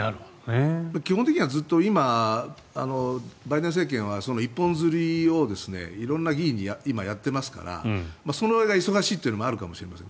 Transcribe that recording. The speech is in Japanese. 基本的にはバイデン政権は一本釣りを色んな議員に今、やっていますからその間、忙しいというのもあるかもしれません。